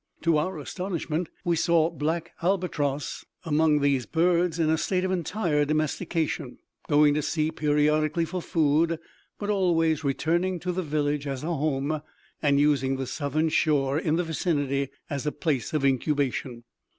To our astonishment we saw black albatross among these birds in a state of entire domestication, going to sea periodically for food, but always returning to the village as a home, and using the southern shore in the vicinity as a place of incubation.